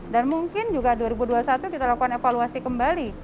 dan mungkin juga dua ribu dua puluh satu kita lakukan evaluasi kembali